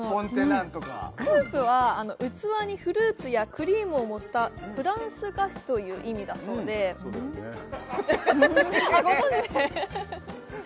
何とかクープは器にフルーツやクリームを盛ったフランス菓子という意味だそうでうんそうだよね